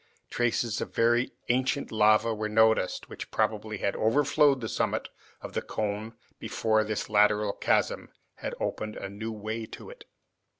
Traces of very ancient lava were noticed, which probably had overflowed the summit of the cone, before this lateral chasm had opened a new way to it.